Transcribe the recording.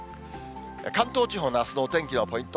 関東地方のあすのお天気のポイント。